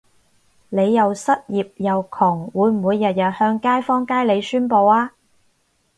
你又失業又窮會唔會日日向街坊街里宣佈吖？